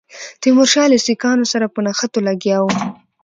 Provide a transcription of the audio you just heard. تیمورشاه له سیکهانو سره په نښتو لګیا وو.